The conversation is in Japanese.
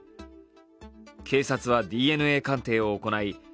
警察はＤＮＡ鑑定を行い